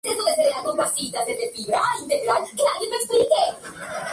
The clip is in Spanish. La izquierda, entretanto, intentó postular un candidato único, pero no pudo alcanzar un consenso.